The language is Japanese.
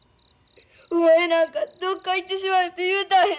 お前なんかどっか行ってしまえって言うたんや。